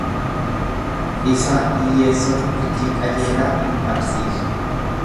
Isaan hiyyeessota firdii qajeelaa in dhabsiisu.